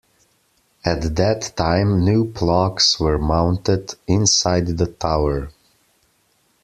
At that time new plaques were mounted inside the tower.